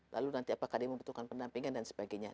lalu nanti apakah dia membutuhkan pendampingan dan sebagainya